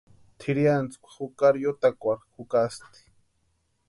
Tʼirhiantsikwa jukari yotakwarhu jukasti.